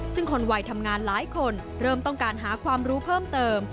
ซึ่งคนวัยทำงานหลายคนเริ่มต้องการหาความรู้เพิ่มเติม